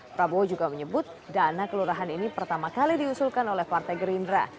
prabowo juga menyebut dana kelurahan ini pertama kali diusulkan oleh partai gerindra